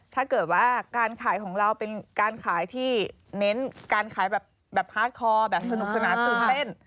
ถ้าเกิดว่าการขายของเราเป็นการขายที่เน้นการขายแบบพาร์ทคอร์แบบสนุกสนานตื่นเต้น